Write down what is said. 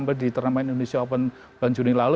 mereka tampil di turnamen indonesia open bulan juni lalu